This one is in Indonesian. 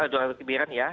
dua lokasi biren ya